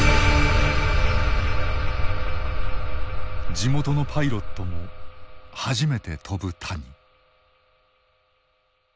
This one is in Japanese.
地元のパイロットも初めて飛ぶ谷。